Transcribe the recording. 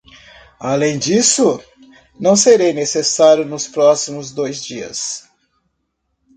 Além disso? não serei necessário nos próximos dois dias.